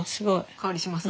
香りします？